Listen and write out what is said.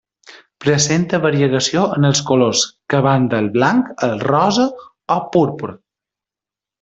Presenta variegació en els colors que van del blanc al rosa o porpra.